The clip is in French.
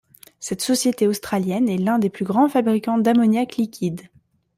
Cette société australienne est l'un des plus grands fabricants d'ammoniac liquide.